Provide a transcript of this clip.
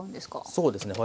そうですね